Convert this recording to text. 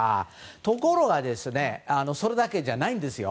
ところがそれだけじゃないんですよ。